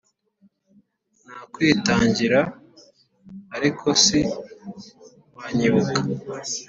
nakwitangira ariko si wanyibuka